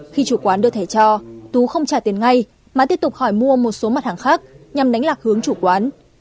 khi chủ quán đưa thẻ cho tú không trả tiền ngay mà tiếp tục hỏi mua một số mặt hàng khác nhằm đánh lạc hướng chủ quán